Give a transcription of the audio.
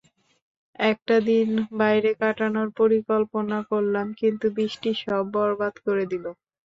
একটা দিন বাইরে কাটানোর পরিকল্পনা করলাম, কিন্তু বৃষ্টি সব বরবাদ করে দিল।